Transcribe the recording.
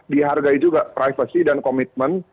dihargai juga privacy dan komitmen